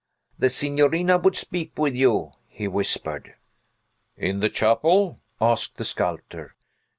"The signorina would speak with you," he whispered. "In the chapel?" asked the sculptor.